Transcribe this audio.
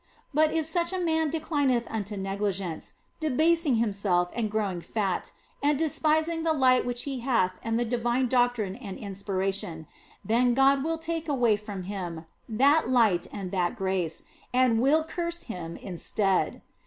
But if such a man declineth unto negligence, debasing himself and growing fat and despising the light which he hath and the divine doctrine and inspiration, then God will take away from him that light and that grace and will curse him instead.